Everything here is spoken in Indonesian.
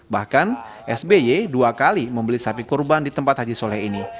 bahkan sby dua kali membeli sapi kurban di tempat haji soleh ini